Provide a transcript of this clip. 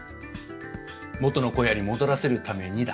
元の小屋に戻らせるためにだ。